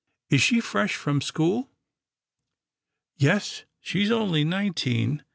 " Is she fresh from school? "" Yes, she's only nineteen.